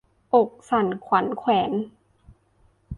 อกสั่นขวัญแขวน